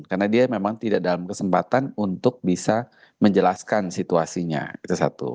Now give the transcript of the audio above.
karena dia memang tidak dalam kesempatan untuk bisa menjelaskan situasinya itu satu